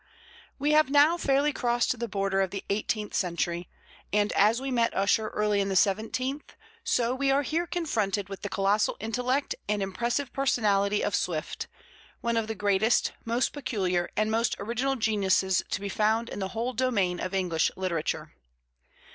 We have now fairly crossed the border of the eighteenth century, and, as we met Ussher early in the seventeenth, so we are here confronted with the colossal intellect and impressive personality of Swift, one of the greatest, most peculiar, and most original geniuses to be found in the whole domain of English literature.